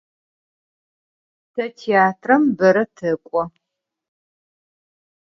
Te têatrem bere tek'o.